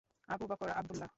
Abu Bakr Abdullah.